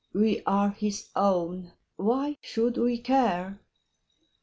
We are his own ; why should we care